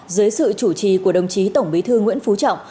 dưới sự chủ trì của đồng chí tổng bí thư nguyễn phú trọng